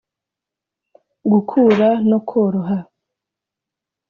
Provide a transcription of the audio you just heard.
gukura no koroha